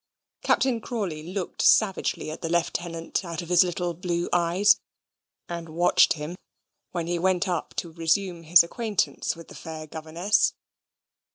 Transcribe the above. Captain Crawley looked savagely at the Lieutenant out of his little blue eyes, and watched him when he went up to resume his acquaintance with the fair governess.